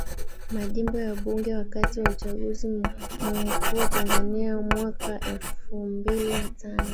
Majimbo ya wabunge Wakati wa uchaguzi mkuu wa Tanzania mwaka elfu mbili na tano